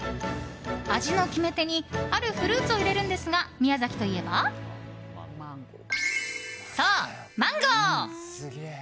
味の決め手にあるフルーツを入れるのですが宮崎といえばそう、マンゴー。